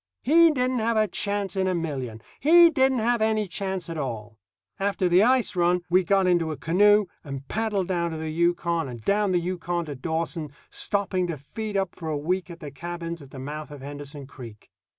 He didn't have a chance in a million. He didn't have any chance at all. After the ice run, we got into a canoe and paddled down to the Yukon, and down the Yukon to Dawson, stopping to feed up for a week at the cabins at the mouth of Henderson Creek.